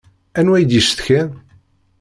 Anwa i d-yecetkan?